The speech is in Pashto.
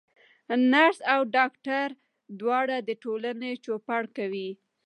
نرس او ډاکټر دواړه د ټولني چوپړ کوي.